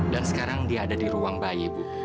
dan sekarang dia ada di ruang bayi bu